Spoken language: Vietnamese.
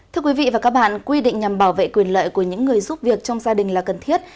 thưa quý vị và các bạn quy định nhằm bảo vệ quyền lợi của những người giúp việc trong gia đình là cần thiết